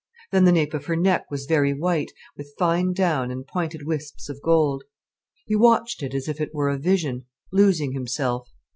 Then the nape of her neck was very white, with fine down and pointed wisps of gold. He watched it as it were a vision, losing himself.